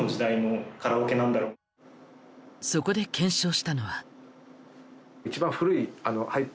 そこで検証したのは。